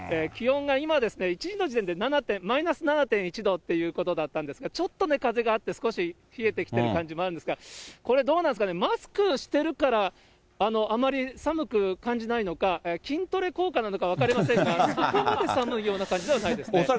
気温が今ですね、１時の時点でマイナス７．１度ということだったんですが、ちょっと風があって、少し冷えてきてる感じもあるんですが、これ、どうなんですかね、マスクしてるからあまり寒く感じないのか、筋トレ効果なのか分かりませんが、そこまで寒いような感じではないですね。